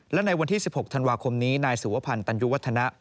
และในวันที่๑๖ธันวาคมนี้นายสุวพันธ์ตันยุวัฒนะ